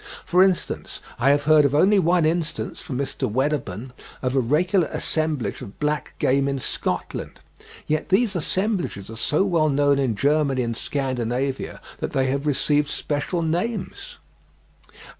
For instance, I have heard of only one instance, from Mr. Wedderburn, of a regular assemblage of black game in Scotland, yet these assemblages are so well known in Germany and Scandinavia that they have received special names.